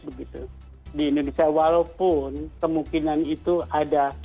begitu di indonesia walaupun kemungkinan itu ada